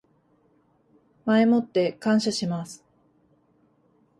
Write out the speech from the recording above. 前もって感謝します